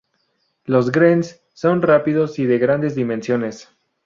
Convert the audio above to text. Los greens son rápidos y de grandes dimensiones.